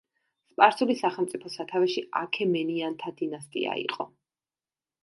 სპარსული სახელმწიფოს სათავეში აქემენიანთა დინასტია იყო.